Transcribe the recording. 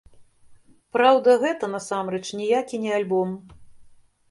Праўда, гэта, насамрэч, ніякі не альбом.